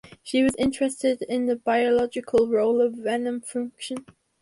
She was interested in the biological role of venom function.